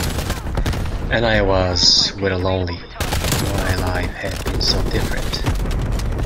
And I was very lonely — my life had been so different.